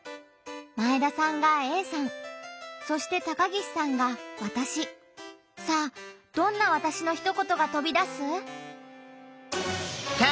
前田さんが「Ａさん」そして高岸さんが「わたし」。さあどんな「わたし」のひと言がとび出す？